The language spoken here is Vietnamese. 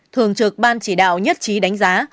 thường trực ban chỉ đạo nhất trí đánh giá